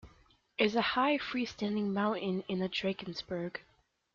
It is a high free standing mountain in the Drakensberg.